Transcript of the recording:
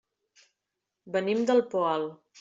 Venim del Poal.